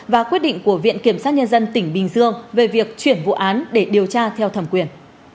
và quyết định của viện kiểm sát nhân dân tỉnh bình dương về việc chuyển vụ án để điều tra theo thẩm quyền